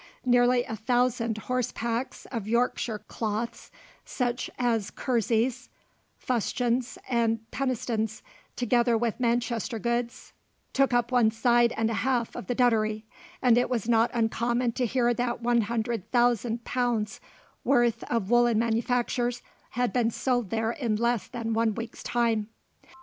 Nearly a thousand horse packs of Yorkshire cloths, such as kerseys, fustians, and pennistons, together with Manchester goods, took up one side and a half of the Duddery, and it was not uncommon to hear that 100,000 pounds worth of woollen manufactures had been sold there in less than one week's time.